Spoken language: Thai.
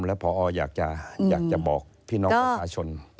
แล้วพออยากจะบอกพี่น้องประชาชน